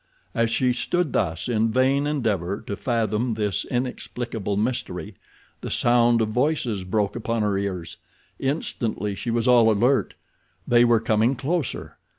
As she stood thus in vain endeavor to fathom this inexplicable mystery the sound of voices broke upon her ears. Instantly she was all alert. They were coming closer!